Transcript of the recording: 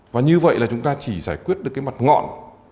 và như vậy là chúng ta chỉ giải quyết được cái mặt ngọn